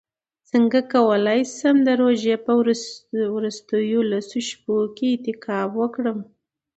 څنګه کولی شم د رمضان په وروستیو لسو شپو کې اعتکاف وکړم